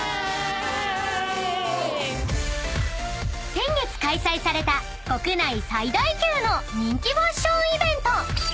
［先月開催された国内最大級の人気ファッションイベント